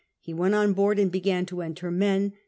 He went on board and began to enter men.